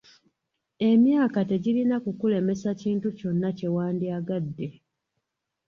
Emyaka tegirina kukulemesa kintu kyonna kye wandyagadde.